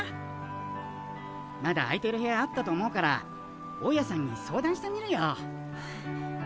まだ空いてる部屋あったと思うから大家さんに相談してみるよ。